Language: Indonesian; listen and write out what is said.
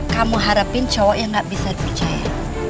kamu harapin cowok yang gak bisa dipercaya